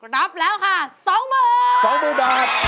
รับแล้วค่ะ๒๐๐๐บาท